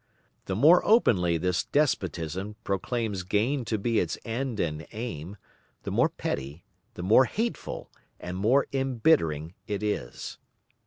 The more openly this despotism proclaims gain to be its end and aim, the more petty, the more hateful and the more embittering it is.